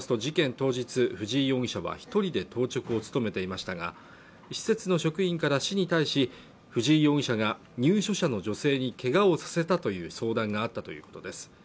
当日藤井容疑者は一人で当直を務めていましたが施設の職員から市に対し藤井容疑者が入所者の女性にけがをさせたという相談があったということです